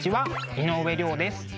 井上涼です。